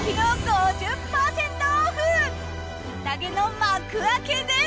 宴の幕開けです！